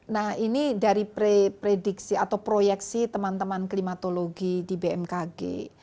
nah ini dari prediksi atau proyeksi teman teman klimatologi di bmkg